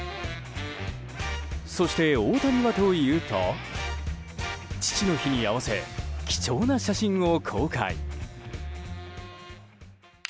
そして、大谷はというと父の日に合わせ貴重な写真を公開。